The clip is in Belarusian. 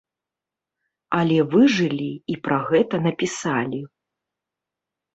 Але выжылі і пра гэта напісалі.